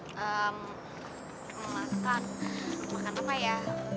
ehm makan makan apa ya